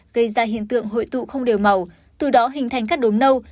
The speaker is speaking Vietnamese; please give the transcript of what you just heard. gây ra hiện tượng hội tụ không đều màu từ đó hình thành các đốm nâu